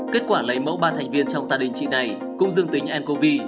kết quả lấy mẫu ba thành viên trong gia đình chị này cũng dương tính ncov